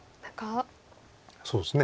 そうですね。